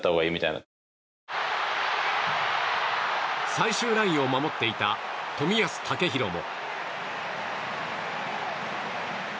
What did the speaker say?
最終ラインを守っていた冨安健洋も。